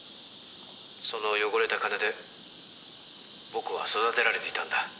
「その汚れた金で僕は育てられていたんだ」